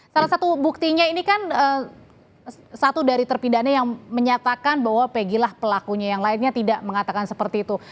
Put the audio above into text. salah satu buktinya ini kan satu dari terpidana yang menyatakan bahwa pegilah pelakunya yang lainnya tidak mengatakan seperti itu